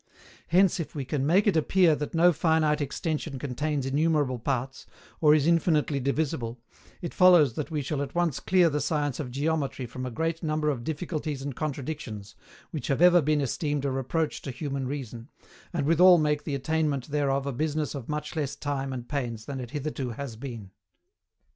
Hence, if we can make it appear that no finite extension contains innumerable parts, or is infinitely divisible, it follows that we shall at once clear the science of Geometry from a great number of difficulties and contradictions which have ever been esteemed a reproach to human reason, and withal make the attainment thereof a business of much less time and pains than it hitherto has been.